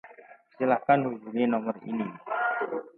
Silakan hubungi nomor ini.